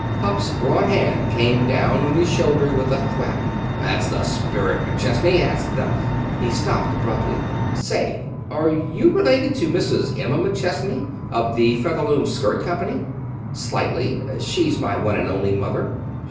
Hupp's broad hand came down on his shoulder with a thwack. "That's the spirit, McChesney! That's the " He stopped, abruptly. "Say, are you related to Mrs. Emma McChesney, of the Featherloom Skirt Company?" "Slightly. She's my one and only mother."